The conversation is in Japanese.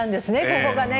ここがね。